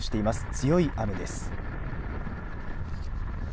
強い雨です。